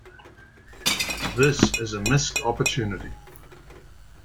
This is a missed opportunity.